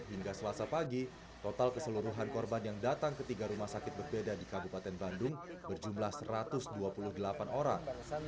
hingga selasa pagi total keseluruhan korban yang datang ke tiga rumah sakit berbeda di kabupaten bandung berjumlah satu ratus dua puluh delapan orang